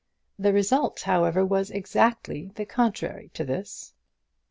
The result, however, was exactly the contrary to this.